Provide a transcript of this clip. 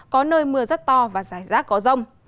có nơi mưa rất to và rải rác có rông